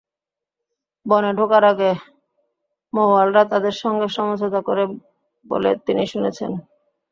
বনে ঢোকার আগে মৌয়ালরা তাদের সঙ্গে সমঝোতা করে বলে তিনি শুনেছেন।